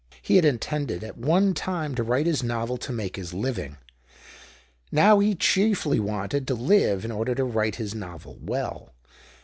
He had intended at one time to write his novel to make his living ; now he chiefly wanted to live in order to write his novel well.